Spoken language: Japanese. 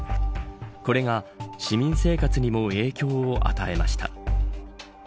これが市民生活にも影響を与えました。